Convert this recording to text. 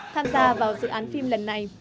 tham gia vào dự án phim lần này